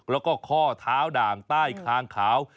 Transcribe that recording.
แล้วก็ข้อเท้าด่างใต้คางขาว